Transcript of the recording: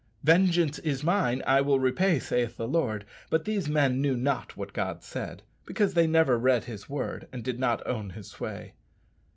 "Vengeance is mine; I will repay, saith the Lord." But these men knew not what God said, because they never read his Word and did not own his sway.